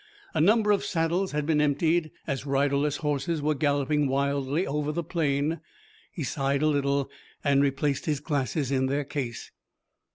A number of saddles had been emptied, as riderless horses were galloping wildly over the plain. He sighed a little and replaced his glasses in their case.